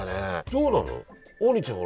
どうなの？